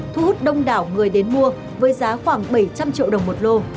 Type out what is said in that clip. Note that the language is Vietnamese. thu hút đông đảo người đến mua với giá khoảng bảy trăm linh triệu đồng một lô